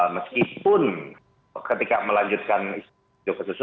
meskipun ketika melanjutkan jokowi